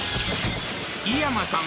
伊山さん